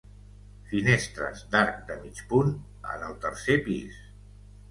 Finestres d'arc de mig punt en el tercer pis.